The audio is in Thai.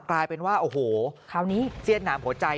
กลายเป็นว่าโอ้โหเสียดหนามหัวใจ